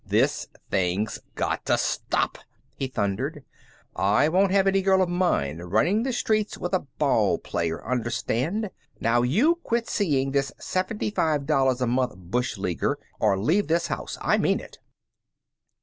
"This thing's got to stop!" he thundered. "I won't have any girl of mine running the streets with a ball player, understand? Now you quit seeing this seventy five dollars a month bush leaguer or leave this house. I mean it."